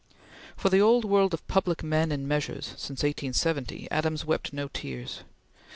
For the old world of public men and measures since 1870, Adams wept no tears.